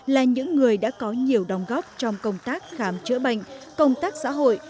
là những người đã có nhiều đóng góp trong công tác khám chữa bệnh công tác xã hội